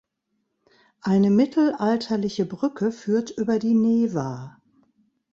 Eine mittelalterliche Brücke führt über die Neva.